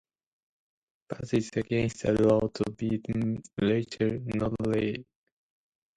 But it's against the law to beat Rachel Notley.